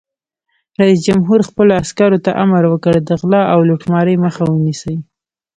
رئیس جمهور خپلو عسکرو ته امر وکړ؛ د غلا او لوټمارۍ مخه ونیسئ!